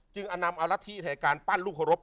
จึงอำนำเอารักษีแห่งการปั้นลูกภรพ